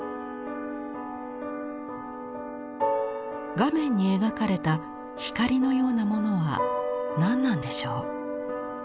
画面に描かれた光のようなものは何なんでしょう。